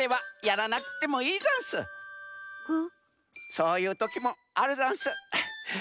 そういうときもあるざんす。